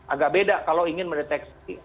agak beda kalau ingin mendeteksi